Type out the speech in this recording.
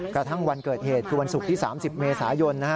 กระทั่งวันเกิดเหตุคือวันศุกร์ที่๓๐เมษายน